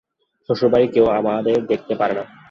শ্বশুরবাড়ির কেউ আমাদের দেখতে পারে না।